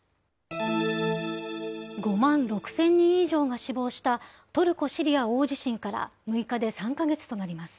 ５万６０００人以上が死亡した、トルコ・シリア大地震から６日で３か月となります。